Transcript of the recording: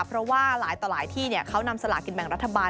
เพราะว่าหลายต่อหลายที่เขานำสลากินแบ่งรัฐบาล